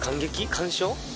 鑑賞？